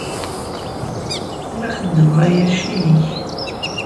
La xeddmeɣ aya ccil-ik.